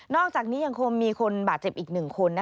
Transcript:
อกจากนี้ยังคงมีคนบาดเจ็บอีก๑คน